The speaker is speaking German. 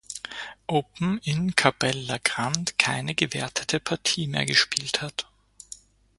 Open in Cappelle-la-Grande keine gewertete Partie mehr gespielt hat.